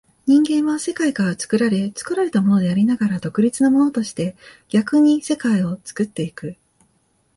人間は世界から作られ、作られたものでありながら独立なものとして、逆に世界を作ってゆく。